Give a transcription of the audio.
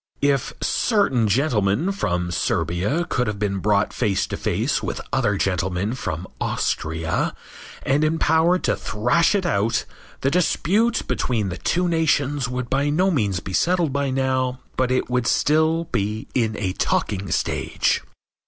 If certain gentlemen from Serbia could have been brought face to face with other gentlemen from Austria and empowered to thrash it out the dispute between the two nations would by no means be settled by now, but it would still be in a talking stage.